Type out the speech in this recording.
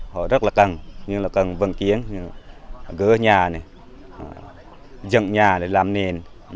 họ rất là cần như là cần vận chuyển gỡ nhà này dựng nhà để làm nền